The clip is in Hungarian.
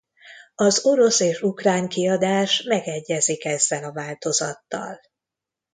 Az orosz és ukrán kiadás megegyezik ezzel a változattal.